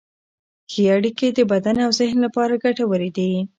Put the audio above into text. ښه اړیکې د بدن او ذهن لپاره ګټورې دي.